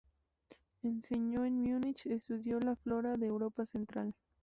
Enseñó en Múnich y estudió la flora de Europa central.